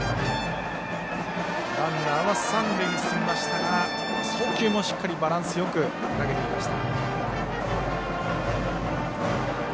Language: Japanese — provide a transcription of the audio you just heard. ランナーは三塁に進みましたが送球もしっかりバランスよく投げていました。